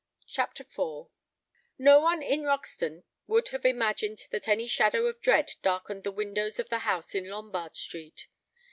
CHAPTER IV No one in Roxton would have imagined that any shadow of dread darkened the windows of the house in Lombard Street.